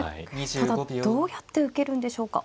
ただどうやって受けるんでしょうか。